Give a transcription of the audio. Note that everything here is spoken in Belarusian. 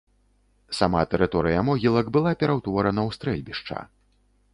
Сама тэрыторыя могілак была пераўтворана ў стрэльбішча.